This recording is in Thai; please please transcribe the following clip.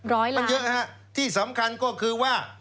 ร้อยหรอมันเยอะฮะที่สำคัญก็คือว่า